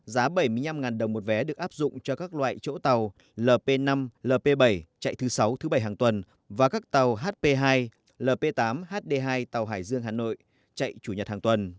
giá bảy mươi năm đồng một vé được áp dụng cho các loại chỗ tàu lp năm lp bảy chạy thứ sáu thứ bảy hàng tuần và các tàu hp hai lp tám hd hai tàu hải dương hà nội chạy chủ nhật hàng tuần